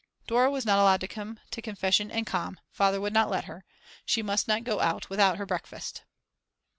Dora was not allowed to come to confession and com., Father would not let her. She must not go out without her breakfast.